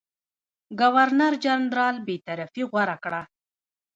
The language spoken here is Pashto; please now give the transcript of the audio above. ګورنرجنرال بېطرفي غوره کړي.